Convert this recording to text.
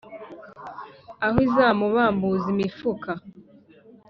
Aho izamubambuza imifuka.